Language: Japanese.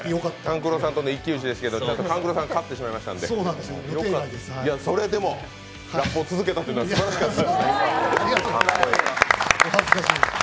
勘九郎さんとの一騎打ちでしたが勘九郎さんが勝ってしまったのでそれでもラップを続けたというのはすばらしかった。